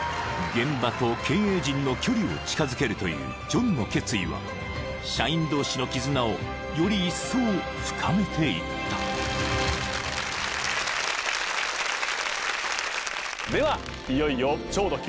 ［現場と経営陣の距離を近づけるというジョンの決意は社員同士の絆をよりいっそう深めていった］ではいよいよ超ド級！